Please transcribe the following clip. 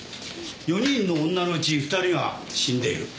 ４人の女のうち２人が死んでいる。